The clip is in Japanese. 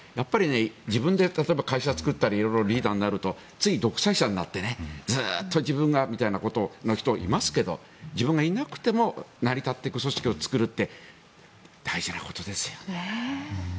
自分で例えば会社を作ったりリーダーになったりするとつい独裁者になってずっと自分がみたいなことの人いますけれど自分がいなくても成り立っていく組織を作るって大事なことですよね。